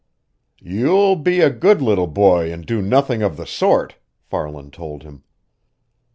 "You'll be a good little boy and do nothing of the sort," Farland told him.